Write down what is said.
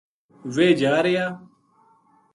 ویہ جا رہیا